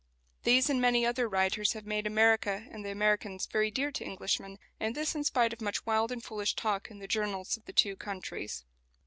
These and many other writers have made America and the Americans very dear to Englishmen, and this in spite of much wild and foolish talk in the journals of the two countries.